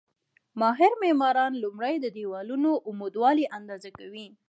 ماهر معماران لومړی د دېوالونو عمودوالی اندازه کوي.